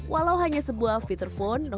walau hanya ponsel yang berbeda